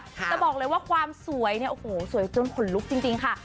แต่บอกเลยว่าความสวยเนี่ยโอ้โหสวยจนขนลุกจริงค่ะ